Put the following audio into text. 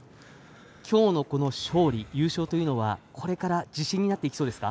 今日のこの勝利、優勝というのはこれから自信になっていきそうですか？